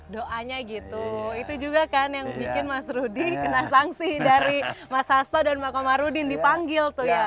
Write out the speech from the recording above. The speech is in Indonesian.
doanya gitu itu juga kan yang bikin mas rudy kena sangsi dari mas hasto dan pak komarudin